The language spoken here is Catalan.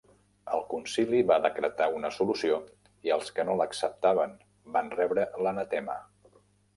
El concili va decretar una solució i els que no l'acceptaven van rebre l'anatema.